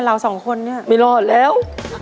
ไม่รอดแล้ว